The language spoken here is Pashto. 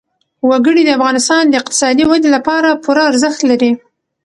وګړي د افغانستان د اقتصادي ودې لپاره پوره ارزښت لري.